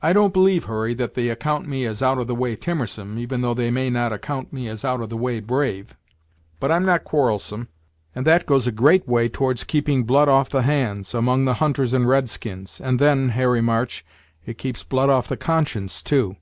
"I don't believe, Hurry, that they account me as out of the way timorsome, even though they may not account me as out of the way brave. But I'm not quarrelsome; and that goes a great way towards keeping blood off the hands, among the hunters and red skins; and then, Harry March, it keeps blood off the conscience, too."